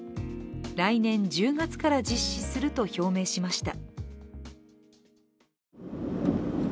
来年１０月から実施すると表明しました。